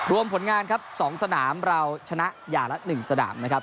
ผลงานครับ๒สนามเราชนะอย่างละ๑สนามนะครับ